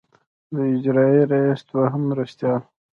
د اجرائیه رییس دوهم مرستیال.